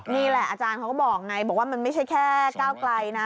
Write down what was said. นี่แหละอาจารย์เขาก็บอกไงบอกว่ามันไม่ใช่แค่ก้าวไกลนะ